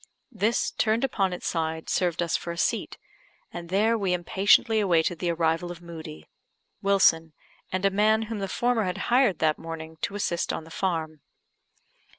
This, turned upon its side, served us for a seat, and there we impatiently awaited the arrival of Moodie, Wilson, and a man whom the former had hired that morning to assist on the farm.